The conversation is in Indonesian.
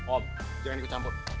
om jangan ikut campur